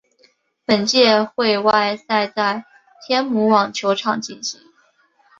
本届会外赛在天母网球场进行。